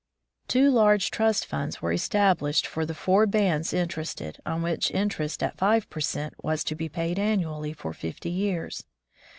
Two large trust funds were established for the four bands interested, on which inter est at five per cent was to be paid annually for fifty years.